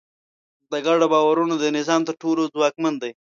د ګډو باورونو دا نظام تر ټولو ځواکمن دی.